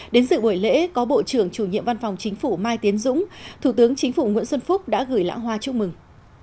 đến sự buổi lễ có bộ trưởng chủ nhiệm văn phòng chính phủ mai tiến dũng thủ tướng chính phủ nguyễn xuân phúc đã gửi lãng hoa chúc mừng